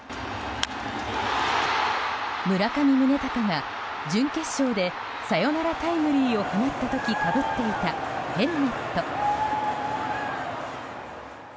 村上宗隆が準決勝でサヨナラタイムリーを放った時かぶっていたヘルメット。